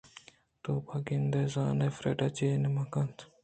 توبہ گندے زانئے فریڈا چہ من کُنتّ اِنت